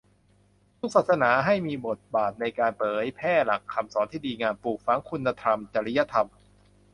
ทุกศาสนาให้มีบทบาทในการเผยแผ่หลักคำสอนที่ดีงาม ปลูกฝังคุณธรรม จริยธรรม